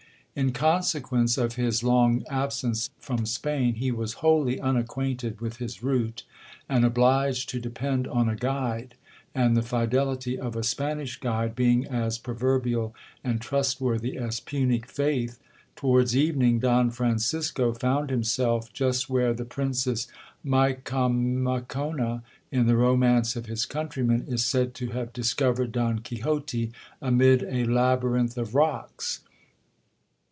In consequence of his long absence from Spain, he was wholly unacquainted with his route, and obliged to depend on a guide; and the fidelity of a Spanish guide being as proverbial and trust worthy as Punic faith, towards evening Don Francisco found himself just where the Princess Micomicona, in the romance of his countryman, is said to have discovered Don Quixote,—'amid a labyrinth of rocks.'